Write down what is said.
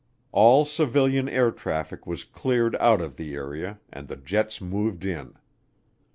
All civilian air traffic was cleared out of the area and the jets moved in.